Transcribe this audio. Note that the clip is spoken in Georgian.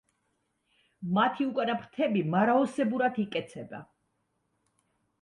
მათი უკანა ფრთები მარაოსებურად იკეცება.